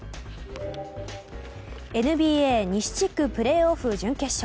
ＮＢＡ西地区プレーオフ準決勝。